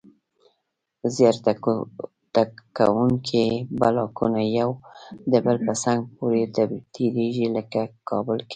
زیاره تکتونیکي بلاکونه یو د بل په څنګ پورې تېریږي. لکه کابل کې